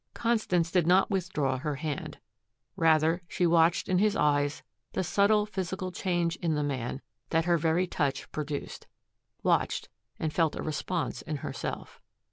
Constance did not withdraw her hand. Rather she watched in his eyes the subtle physical change in the man that her very touch produced, watched and felt a response in herself.